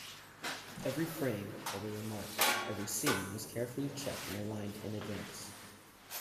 Every frame, every remark, every scene was carefully checked and aligned in advance.